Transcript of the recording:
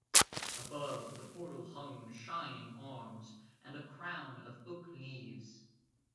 Above the portal hung shining arms and a crown of oak leaves.